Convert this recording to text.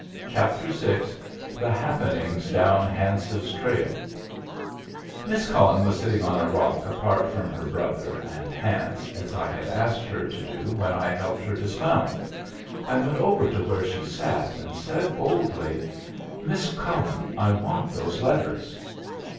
CHAPTER VI THE HAPPENINGS DOWN HANCE'S TRAIL Miss Cullen was sitting on a rock apart from her brother and Hance, as I had asked her to do when I helped her dismount. I went over to where she sat, and said, boldly, "Miss Cullen, I want those letters."